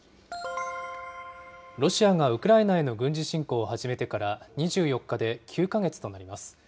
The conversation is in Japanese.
ロシアがウクライナへの軍事侵攻を始めてから、２４日で９か月となります。